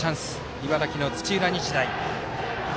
茨城の土浦日大。